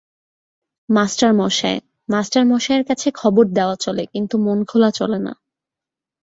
মাস্টারমশায়– মাস্টারমশায়ের কাছে খবর দেওয়া চলে কিন্তু মন খোলা চলে না।